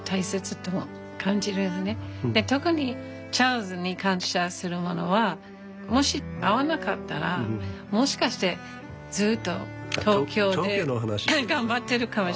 特にチャールズに感謝するものはもし会わなかったらもしかしてずっと東京で頑張ってるかもしれない。